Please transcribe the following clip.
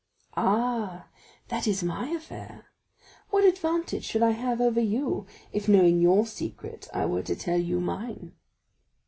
"Ah, that is my affair. What advantage should I have over you, if knowing your secret I were to tell you mine?"